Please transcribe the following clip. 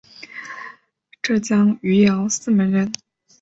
浙江余姚泗门人。